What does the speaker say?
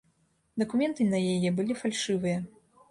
Дакументы на яе былі фальшывыя.